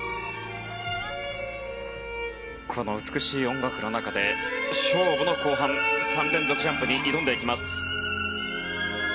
この美しい音楽の中で勝負の後半３連続ジャンプです。